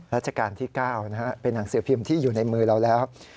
ราชการที่๙เป็นหนังสือพิมพ์ที่อยู่ในมือเราแล้ว